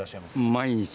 毎日。